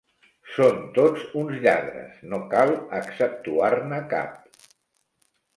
Són tots uns lladres: no cal exceptuar-ne cap!